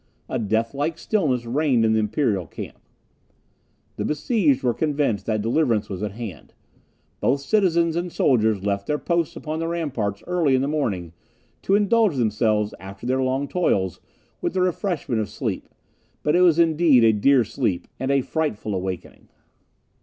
A deathlike stillness reigned in the Imperial camp. The besieged were convinced that deliverance was at hand. Both citizens and soldiers left their posts upon the ramparts early in the morning, to indulge themselves, after their long toils, with the refreshment of sleep, but it was indeed a dear sleep, and a frightful awakening.